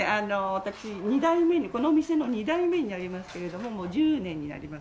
私２代目にこの店の２代目になりますけれどももう１０年になりますね。